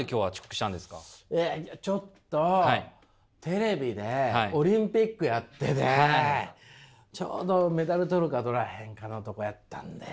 ちょっとテレビでオリンピックやっててちょうどメダル取るか取らへんかのとこやったんで。